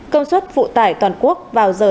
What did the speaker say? công suất phụ tải toàn quốc vào giờ